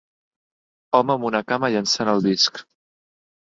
Home amb una cama llançant el disc.